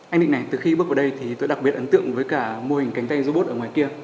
anh định này từ khi bước vào đây thì tôi đặc biệt ấn tượng với cả mô hình cánh tay robot ở ngoài kia